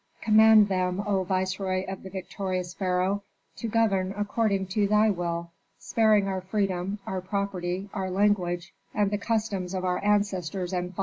Command them, O viceroy of the victorious pharaoh, to govern according to thy will, sparing our freedom, our property, our language, and the customs of our ancestors and fathers.